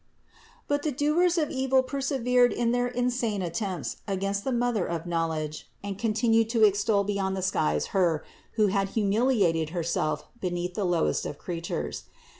But the doers of evil persevered in their insane attempts against the Mother of knowledge and continued to extol beyond the skies Her, who had humiliated Herself beneath the lowest of creatures.